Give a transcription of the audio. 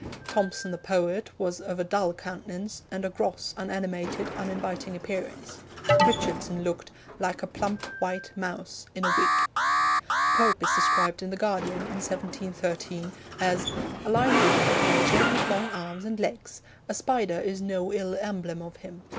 Thomson, the poet, was of a dull countenance, and a gross, unanimated, uninviting appearance; Richardson looked 'like a plump white mouse in a wig.' Pope is described in the Guardian, in 1713, as 'a lively little creature, with long arms and legs: a spider is no ill emblem of him.